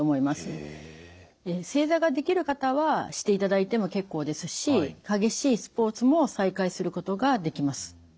正座ができる方はしていただいても結構ですし激しいスポーツも再開することができます。